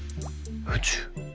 宇宙？